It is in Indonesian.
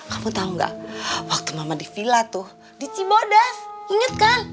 aku tahu gak waktu mama di villa tuh di cibodas inget kan